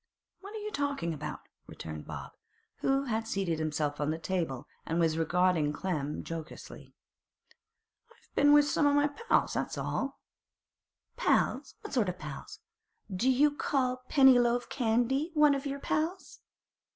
'What are you talking about?' returned Bob, who had seated himself on the table, and was regarding Clem jocosely. 'I've been with some pals, that's all.' 'Pals! what sort o' pals? Do you call Pennyloaf Candy one o' your pals?